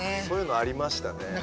そういうのありましたね。